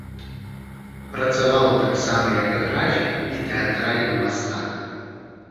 Працаваў таксама як графік і тэатральны мастак.